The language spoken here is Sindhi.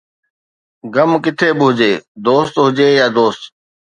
غم ڪٿي به هجي، دوست هجي يا دوست